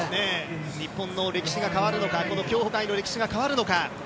日本の歴史が変わるのか競歩界の歴史が変わるのか。